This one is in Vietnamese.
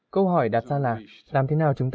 câu hỏi đặt ra là làm thế nào chúng ta